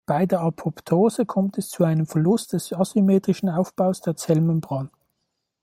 Bei der Apoptose kommt es zu einem Verlust des asymmetrischen Aufbaus der Zellmembran.